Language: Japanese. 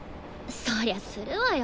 そりゃするわよ。